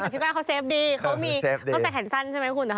แต่พี่ก้อยเขาเซฟดีเขามีตั้งแต่แขนสั้นใช่ไหมคุณ